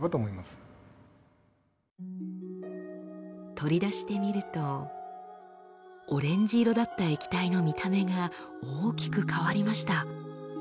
取り出してみるとオレンジ色だった液体の見た目が大きく変わりました。